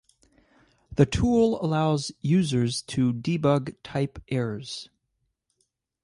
the tool allows users to debug type errors